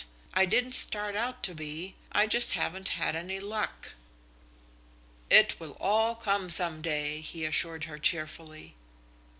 I didn't start out to be. I just haven't had any luck." "It will all come some day," he assured her cheerfully.